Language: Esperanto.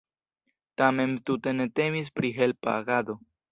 Tamen tute ne temis pri helpa agado.